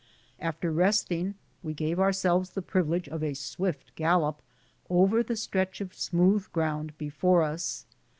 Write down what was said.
After resting, we gave ourselves the privilege of a swift gallop over the stretch of smooth ground before us.